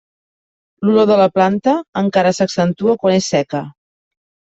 L'olor de la planta encara s'accentua quan és seca.